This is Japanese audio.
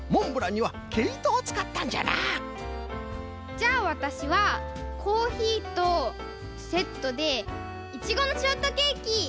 じゃあわたしはコーヒーとセットでイチゴのショートケーキ！